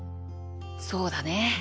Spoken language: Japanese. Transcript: そうだね。